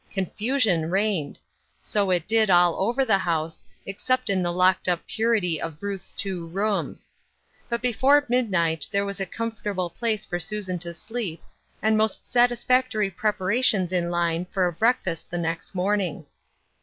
Confusion reigned. So it did all over the house, except in the locked up purity of Ruth's two rooms. But before midnight there was a com fortable place for Susan to sleep and most satis* Trying Questiona, 323 factory preparations in line for a breakfast the next morning.